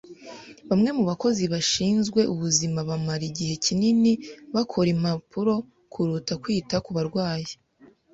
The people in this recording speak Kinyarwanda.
Bamwe mu bakozi bashinzwe ubuzima bamara igihe kinini bakora impapuro kuruta kwita ku barwayi.